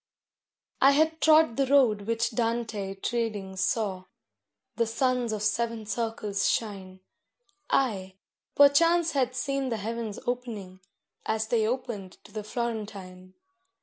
I had trod the road which Dante treading saw the suns of seven circles shine, Ay! perchance had seen the heavens opening, as they opened to the Florentine.